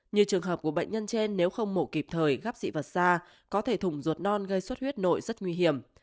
như trường hợp của bệnh nhân trên nếu không mổ kịp thời gắp dị vật xa có thể thủng ruột non gây suất huyết nội rất nguy hiểm